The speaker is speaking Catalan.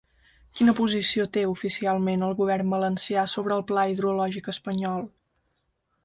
Quina posició té, oficialment, el govern valencià sobre el pla hidrològic espanyol?